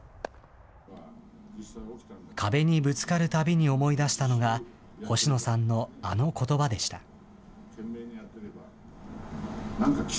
壁にぶつかるたびに思い出したのが、星野さんのあのことばでした。